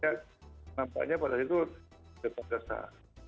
dan itu sebenarnya kan itu sudah terkesan itu sudah terkesan itu sudah terkesan